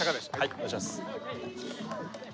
お願いします。